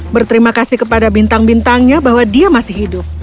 berterima kasih kepada bintang bintangnya bahwa dia masih hidup